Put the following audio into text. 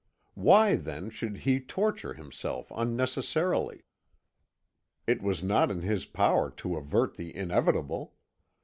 Why, then, should he torture himself unnecessarily? It was not in his power to avert the inevitable.